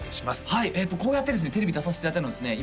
はいこうやってですねテレビ出させていただいたのはですね